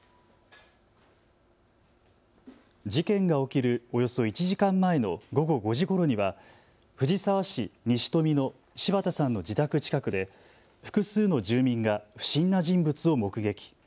事件が起きるおよそ１時間前の午後５時ごろには藤沢市西富の柴田さんの自宅近くで複数の住民が不審な人物を目撃。